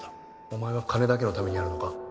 お前は金だけのためにやるのか？